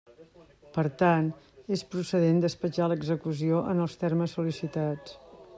Per tant, és procedent despatxar l'execució en els termes sol·licitats.